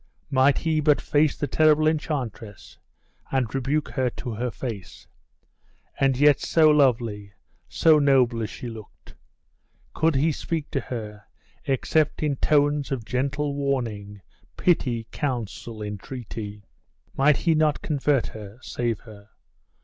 Might he but face the terrible enchantress, and rebuke her to her face! And yet so lovely, so noble as she looked! Could he speak to her, except in tones of gentle warning, pity, counsel, entreaty? Might he not convert her save her?